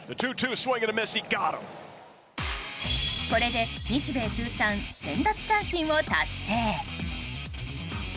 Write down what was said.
これで日米通算１０００奪三振を達成。